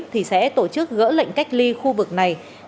thì sẽ tổ chức gỡ lệnh cách ly khu vực này